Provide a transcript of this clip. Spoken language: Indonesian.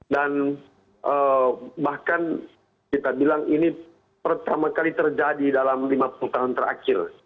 dan bahkan kita bilang ini pertama kali terjadi dalam lima puluh tahun terakhir